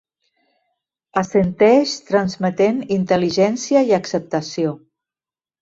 Assenteix transmetent intel·ligència i acceptació.